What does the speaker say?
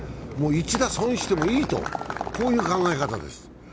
もう、１打損してもいいと、こういう考え方です。